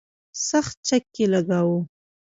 سخت چک یې لګاوه.